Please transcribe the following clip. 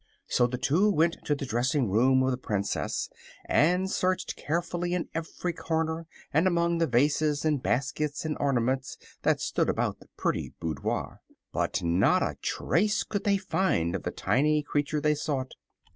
So the two went to the dressing room of the Princess and searched carefully in every corner and among the vases and baskets and ornaments that stood about the pretty boudoir. But not a trace could they find of the tiny creature they sought.